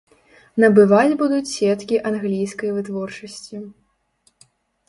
Набываць будуць сеткі англійскай вытворчасці.